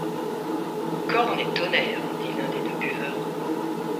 Corne et tonnerre ! dit l’un des deux buveurs.